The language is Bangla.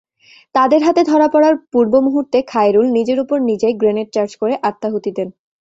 তাদের হাতে ধরা পড়ার পূর্ব মুহূর্তে খায়রুল নিজের ওপর নিজেই গ্রেনেড চার্জ করে আত্মাহুতি দেন।